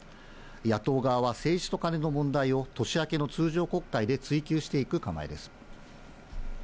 野党側は政治とカネの問題を年明けの通常国会で追及していく構え